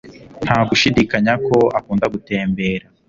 Nta gushidikanya ko akunda gutembera